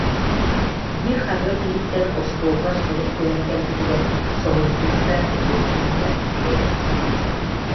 Биир хаһыат иһиттэн остуолбар сурук түһэн кэлбитигэр, соһуйдум да, үөрдүм да ээ